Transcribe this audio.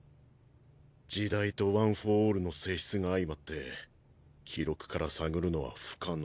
時代とワン・フォー・オールの性質が相俟って記録から探るのは不可能。